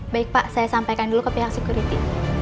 baik pak saya sampaikan dulu ke pihak security